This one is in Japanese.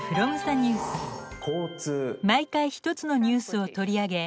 毎回１つのニュースを取り上げ